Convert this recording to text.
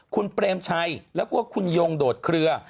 คุณเปรมชัยแล้วก็คุณยงโดดเคลือ